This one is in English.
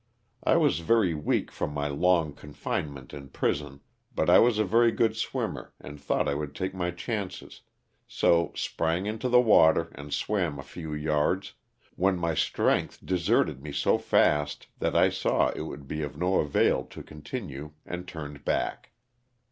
I was very weak from my long confinement in prison, but I was a very good swimmer and thought I would take my chances, so sprang into the water and swam a few yards, when my strength deserted me so fast that I saw it would be of no avail to continue and turned back.